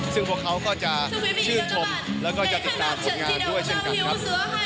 ซึ่งพวกเขาก็จะชื่นชมแล้วก็จะติดตามผลงานด้วยเช่นกันครับ